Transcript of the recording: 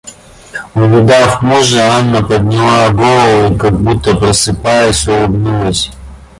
Увидав мужа, Анна подняла голову и, как будто просыпаясь, улыбнулась.